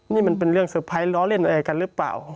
นี่มันเป็นเรื่องเซอร์ไพรส์ล้อเล่นอะไรกันหรือเปล่า